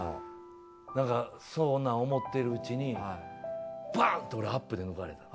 なんかそんなん思ってるうちにバンって俺アップで抜かれたの。